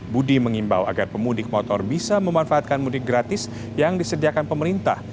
budi mengimbau agar pemudik motor bisa memanfaatkan mudik gratis yang disediakan pemerintah